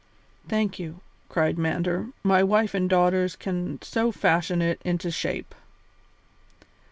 "Thank you," cried Mander; "my wife and daughters can soon fashion it into shape."